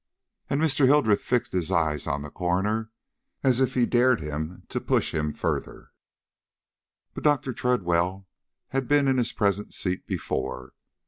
And Mr. Hildreth fixed his eyes on the coroner as if he dared him to push him further. But Dr. Tredwell had been in his present seat before.